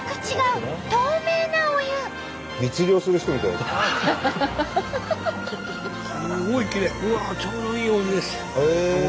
うわっちょうどいいお湯です。